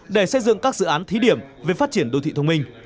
để xây dựng các dự án thí điểm về phát triển đô thị thông minh